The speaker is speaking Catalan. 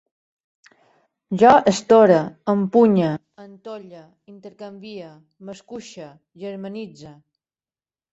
Jo estore, empunye, entolle, intercanvie, m'escuixe, germanitze